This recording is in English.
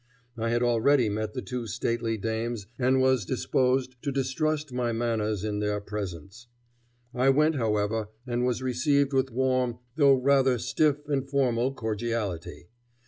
I had already met the two stately dames and was disposed to distrust my manners in their presence. I went, however, and was received with warm, though rather stiff and formal, cordiality.